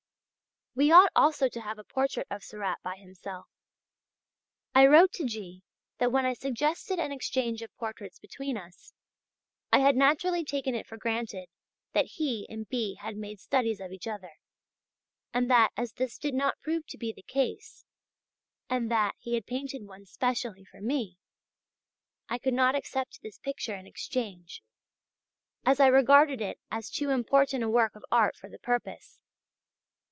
We ought also to have a portrait of Seurat by himself. I wrote to G. that when I suggested an exchange of portraits between us, I had naturally taken it for granted that he and B. had made studies of each other; and that as this did not prove to be the case, and that he had painted one specially for me, I could not accept this picture in exchange, as I regarded it as too important a work of art for the purpose.